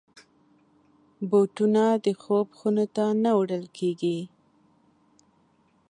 بوټونه د خوب خونو ته نه وړل کېږي.